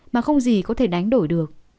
mà không gì có thể đánh đổi được